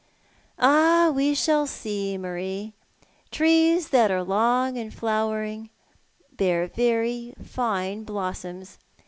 "Ah, we shall see, Marie. Trees that are long in flowering bear very fine blossoms.